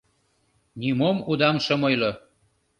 — Нимом удам шым ойло.